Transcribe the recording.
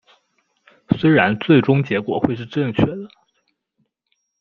虽然最终结果会是正确的